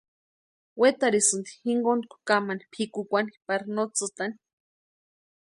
Wetarhisïnti jinkontku kamani pʼikukwani pari no tsïtani.